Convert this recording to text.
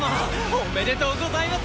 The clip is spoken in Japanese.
おめでとうございます。